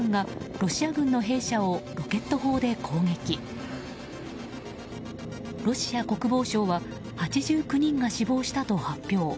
ロシア国防省は８９人が死亡したと発表。